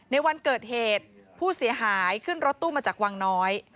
ในวันเกิดเหตุผู้เสียหายขึ้นรถตู้มาจากวังน้อย